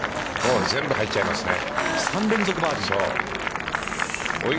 全部入っちゃいますね。